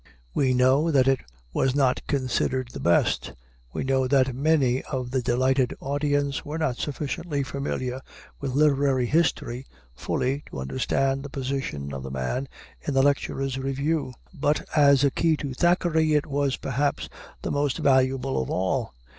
We know that it was not considered the best; we know that many of the delighted audience were not sufficiently familiar with literary history fully to understand the position of the man in the lecturer's review; but, as a key to Thackeray, it was, perhaps, the most valuable of all.